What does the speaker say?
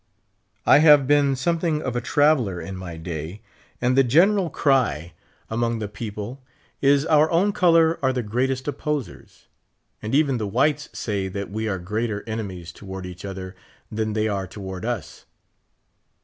I have been some thing of a traveler in my day ; and the general cry among 63 the people is, " Our own color are the greatest opposers ;' and even the whites hrj that we are orreater enemies to ward eacli other than they are toward us.